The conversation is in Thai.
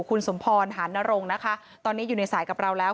คุณสมพรหานรงค์นะคะตอนนี้อยู่ในสายกับเราแล้ว